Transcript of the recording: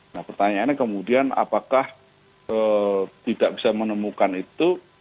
nah pertanyaannya kemudian apakah tidak bisa menemukan itu